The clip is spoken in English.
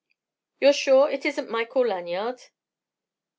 "You're sure it isn't Michael Lanyard?"